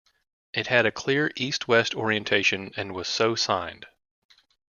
It had a clear east-west orientation and was so signed.